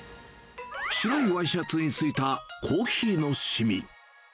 白いワイシャツについたコーヒーのしみ。